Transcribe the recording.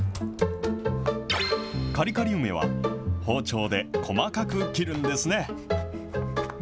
カリカリ梅は、包丁で細かく切るんですね。